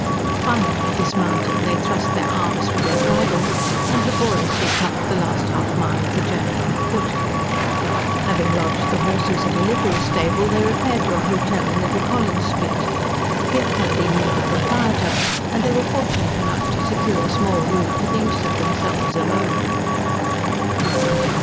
Finally, dismounting, they thrust their arms through their bridles, and laboriously covered the last half mile of the journey on foot. Having lodged the horses at a livery stable, they repaired to a hotel in Little Collins Street. Here Purdy knew the proprietor, and they were fortunate enough to secure a small room for the use of themselves alone.